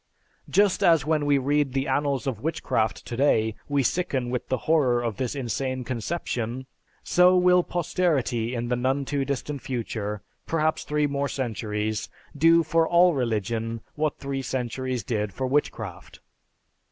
Just as when we read the annals of witchcraft today we sicken with the horror of this insane conception, so will posterity in the none too distant future, perhaps three more centuries, do for all religion what three centuries did for witchcraft.